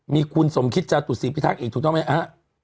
มีคุณสมคิตจาตุศีพิทักษ์อีกถูกต้องไหมฮะ